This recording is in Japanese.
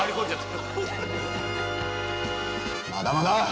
まだまだ！